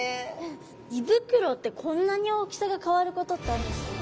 胃袋ってこんなに大きさが変わることってあるんですね